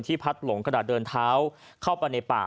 พัดหลงกระดาษเดินเท้าเข้าไปในป่า